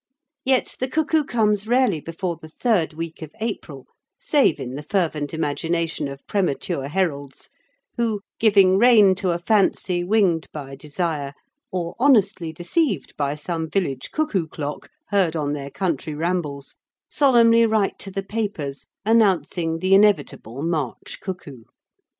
Yet the cuckoo comes rarely before the third week of April, save in the fervent imagination of premature heralds, who, giving rein to a fancy winged by desire, or honestly deceived by some village cuckoo clock heard on their country rambles, solemnly write to the papers announcing the inevitable March cuckoo.